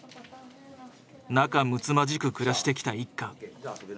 仲むつまじく暮らしてきた一家。